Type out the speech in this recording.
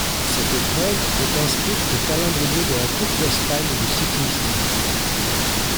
Cette épreuve est inscrite au calendrier de la Coupe d'Espagne de cyclisme.